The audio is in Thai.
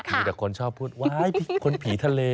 มีแต่คนชอบพูดว้ายคนผีทะเล